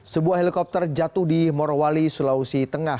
sebuah helikopter jatuh di morowali sulawesi tengah